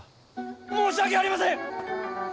申し訳ありません！